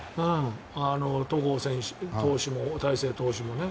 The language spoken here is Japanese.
戸郷投手も大勢投手もね。